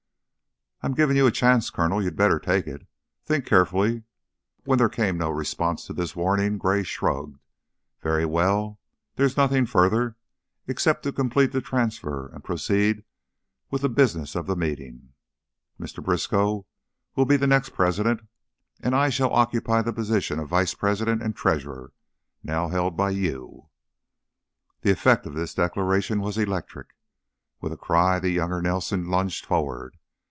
"I'm giving you a chance, Colonel. You'd better take it. Think carefully." When there came no response to this warning, Gray shrugged. "Very well! There is nothing further, except to complete the transfer and proceed with the business of the meeting. Mr. Briskow will be the next president, and I shall occupy the position of vice president and treasurer now held by you " The effect of this declaration was electric. With a cry the younger Nelson lunged forward.